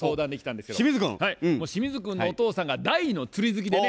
清水君のお父さんが大の釣り好きでね